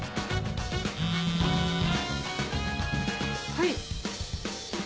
はい。